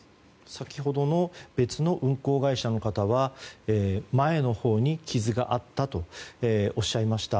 先ほどの別の運航会社の方は前のほうに傷があったとおっしゃいました。